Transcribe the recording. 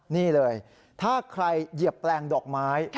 นี่เลยถ้าใครเหยียบแปลงดอกไม้